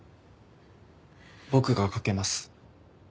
僕がかけます。